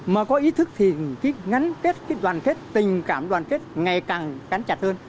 mà có ý thức thì cái ngắn kết cái đoàn kết tình cảm đoàn kết ngày càng cắn chặt hơn